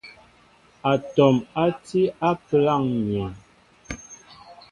Atɔm á ti á pəláŋ myēn.